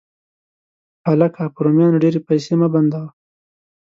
هلکه، په رومیانو ډېرې پیسې مه بندوه.